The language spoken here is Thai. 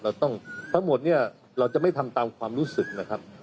ต้องทั้งหมดเนี่ยเราจะไม่ทำตามความรู้สึกนะครับ